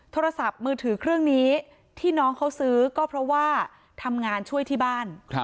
โทรศัพท์มือถือเครื่องนี้ที่น้องเขาซื้อก็เพราะว่าทำงานช่วยที่บ้าน